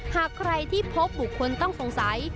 หากใครที่พบบุคคลต้องสงสัย